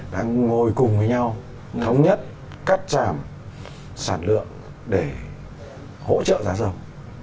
đang ngồi cùng với nhau thống nhất cắt giảm sản lượng để hỗ trợ giá dầu